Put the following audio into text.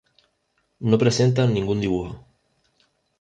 No presentan ningún dibujo.